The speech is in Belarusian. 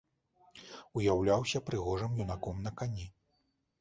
Уяўляўся прыгожым юнаком на кані.